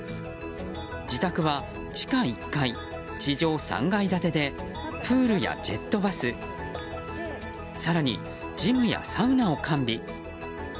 自宅は地下１階、地上３階建てでプールやジェットバス更にジムやサウナを完備。